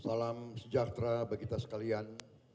salam sejahtera bagi kita sekalian